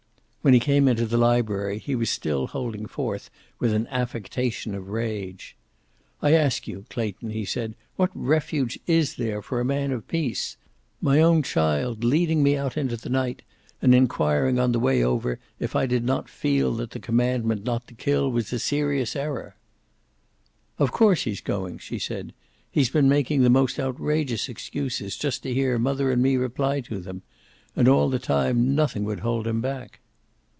When he came into the library he was still holding forth with an affectation of rage. "I ask you, Clayton," he said, "what refuge is there for a man of peace? My own child, leading me out into the night, and inquiring on the way over if I did not feel that the commandment not to kill was a serious error." "Of course he's going," she said. "He has been making the most outrageous excuses, just to hear mother and me reply to them. And all the time nothing would hold him back."